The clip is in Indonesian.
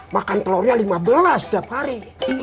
makan telurnya lima belas setiap hari